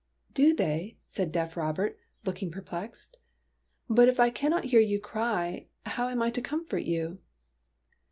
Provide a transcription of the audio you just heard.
'' Do they ?" said deaf Robert, looking per plexed. '' But if I cannot hear you cry, how am I to comfort you?"